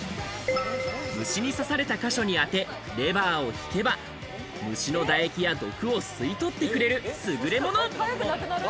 虫に刺されたか所に当て、レバーを引けば、虫の唾液や毒を吸い取ってくれる優れもの。